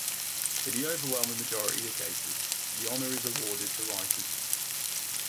In the overwhelming majority of cases, the honour is awarded to writers.